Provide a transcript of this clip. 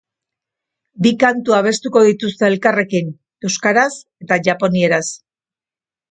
Bi kantu abestuko dituzte elkarrekin, euskaraz eta japonieraz.